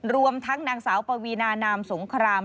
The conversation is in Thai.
รวมทั้งนางสาวปวีนานามสงคราม